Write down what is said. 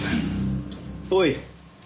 おい。